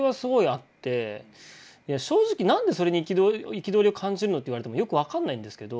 正直何でそれに憤りを感じてるの？って言われてもよく分かんないんですけど。